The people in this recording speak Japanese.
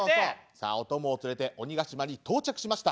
さあお供を連れて鬼ヶ島に到着しました。